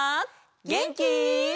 げんき？